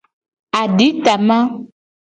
Aditama.